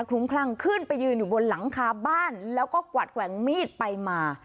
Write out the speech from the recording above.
ลุ้มคลั่งขึ้นไปยืนอยู่บนหลังคาบ้านแล้วก็กวัดแกว่งมีดไปมา